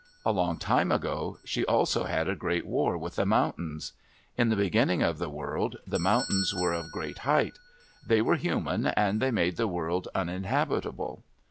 A long time ago she also had a great war with the mountains. In the beginning of the world the mountains were of great height. They were human, and they made the world uninhabitable.